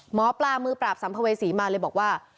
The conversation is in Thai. หมอปลามือปราบสัมภเวษีมาเลยบอกว่า